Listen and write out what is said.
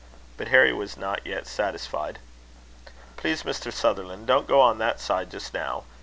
But Harry was not yet satisfied. "Please, Mr. Sutherland, don't go on that side, just now.